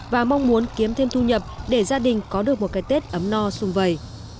và mong muốn kiếm thêm thu nhập để gia đình có được một cái tết ấm no sung vầy